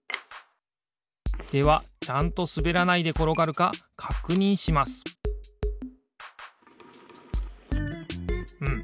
ではちゃんとすべらないでころがるかかくにんしますうん。